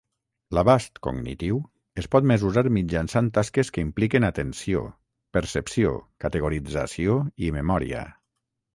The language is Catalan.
L'abast cognitiu es pot mesurar mitjançant tasques que impliquen atenció, percepció, categorització i memòria.